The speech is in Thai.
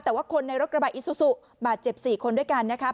แต่ว่าคนในรถกระบะอิซูซูบาดเจ็บ๔คนด้วยกันนะครับ